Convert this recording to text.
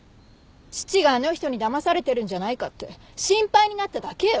父があの人にだまされてるんじゃないかって心配になっただけよ！